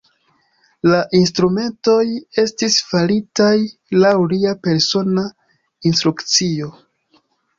La instrumentoj estis faritaj laŭ lia persona instrukcio.